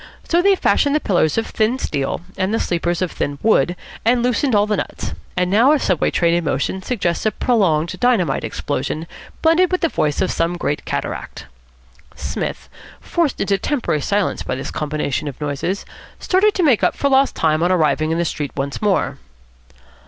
So they fashioned the pillars of thin steel, and the sleepers of thin wood, and loosened all the nuts, and now a Subway train in motion suggests a prolonged dynamite explosion blended with the voice of some great cataract. Psmith, forced into temporary silence by this combination of noises, started to make up for lost time on arriving in the street once more.